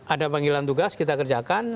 ada panggilan tugas kita kerjakan